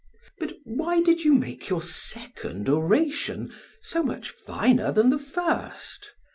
But why did you make your second oration so much finer than the first?